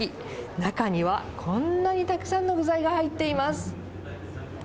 中には、こんなにたくさんの具材が入っています。